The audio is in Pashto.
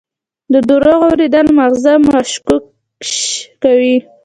د دروغو اورېدل ماغزه مغشوش کوي.